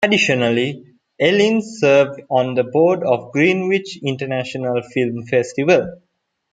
Additionally, Ellin serves on the board of the Greenwich International Film Festival.